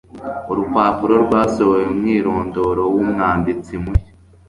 Urupapuro rwasohoye umwirondoro wumwanditsi mushya.